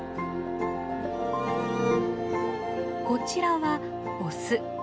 こちらはオス。